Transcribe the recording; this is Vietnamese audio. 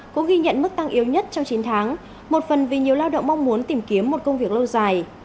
cũng ghi nhận mức tăng yếu nhất trong chín tháng một phần vì nhiều lao động mong muốn tìm kiếm một công việc lâu dài